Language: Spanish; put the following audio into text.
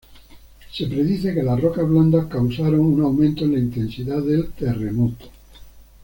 Se predice que las rocas blandas causaron un aumento en la intensidad del terremoto.